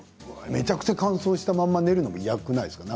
めちゃくちゃ乾燥したまま寝るのも嫌じゃないですか。